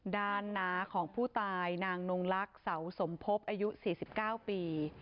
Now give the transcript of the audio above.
ด้านหนาของผู้ตายนางนงรักเสาสมพบอายุ๔๙ปี